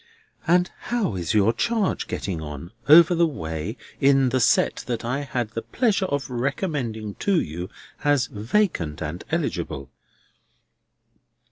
"And how is your charge getting on over the way in the set that I had the pleasure of recommending to you as vacant and eligible?"